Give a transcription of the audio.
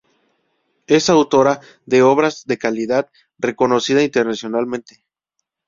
Es autora de obras de calidad, reconocida internacionalmente.